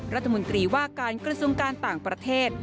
รัฐมนตรีว่าการกระทรวงการต่างประเทศ